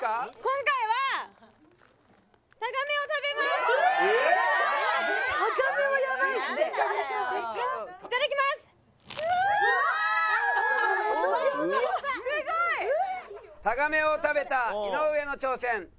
すごい！タガメを食べた井上の挑戦。